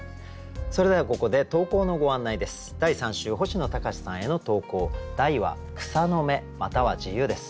それではここで投稿のご案内です。